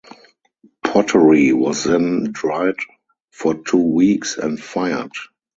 Pottery was then dried for two weeks and fired.